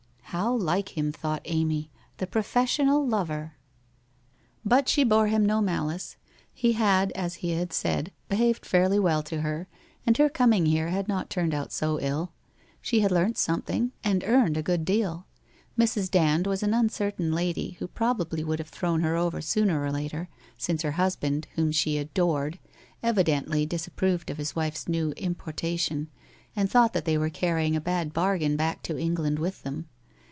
' How like him,' thought Amy, ' The professional lover !' But she bore him no malice, he had as he had said, be haved fairly well to her, and her coming here had not turned out so ill. She had learnt something, and earned a good deal. Mrs. Band was an uncertain lady, who prob ably would have thrown her over sooner or later, since her husband, whom she adored, evidently disapproved of his wife's new importation and thought that they were carry ing a bad bargain back to England with them.